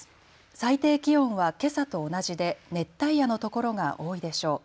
最低気温はけさと同じで熱帯夜のところが多いでしょう。